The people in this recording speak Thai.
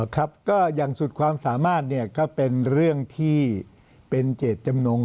ครับก็อย่างสุดความสามารถก็เป็นเรื่องที่เป็นเจตจำนง